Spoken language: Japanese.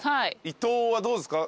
伊東はどうですか？